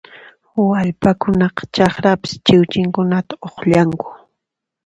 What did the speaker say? Wallpakunaqa chakrapis chiwchinkunata uqllanku